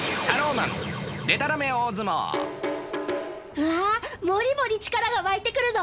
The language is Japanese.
うわもりもり力が湧いてくるぞ！